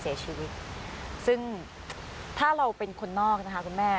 เสียชีวิตซึ่งถ้าเราเป็นคนนอกนะคะคุณแม่